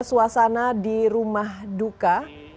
suasana di rumah duka